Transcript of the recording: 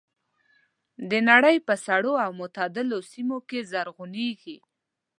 د نړۍ په سړو او معتدلو سیمو کې زرغونېږي.